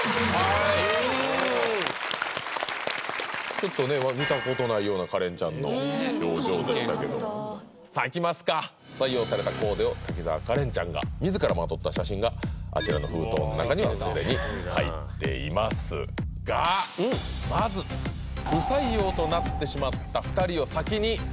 ちょっとね見たことないようなカレンちゃんの表情でしたけどさあいきますか採用されたコーデを滝沢カレンちゃんが自らまとった写真があちらの封筒の中には既に入っていますがまずえっ？